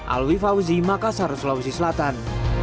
alwi fauzi makassar sulawesi selatan